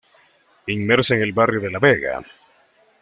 Inmersa en el barrio de la Vega.